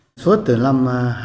sản xuất từ năm hai nghìn một mươi